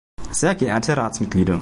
Sehr geehrte Ratsmitglieder!